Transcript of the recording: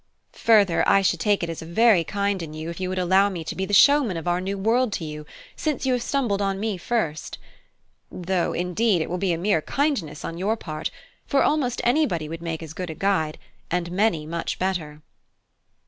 Further, I should take it as very kind in you if you would allow me to be the showman of our new world to you, since you have stumbled on me first. Though indeed it will be a mere kindness on your part, for almost anybody would make as good a guide, and many much better."